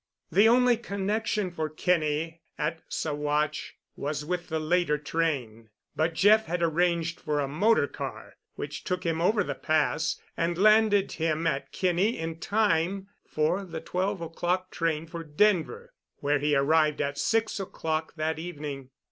The only connection for Kinney at Saguache was with the later train, but Jeff had arranged for a motor car which took him over the Pass and landed him at Kinney in time for the twelve o'clock train for Denver, where he arrived at six o'clock that evening.